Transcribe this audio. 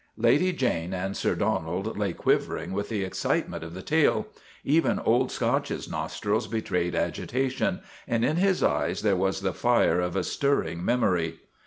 Lady Jane and Sir Donald lay quivering with the excitement of the tale. Even Old Scotch's nostrils betrayed agitation, and in his eyes there was the fire of a stirring memory.